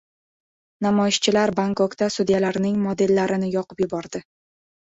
Namoyishchilar Bangkokda sudyalarning modellarini yoqib yubordi